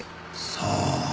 さあ。